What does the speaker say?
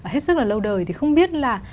hết sức là lâu đời thì không biết là